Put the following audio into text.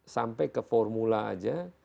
sampai ke formula aja